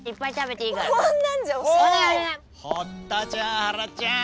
堀田ちゃんはらちゃん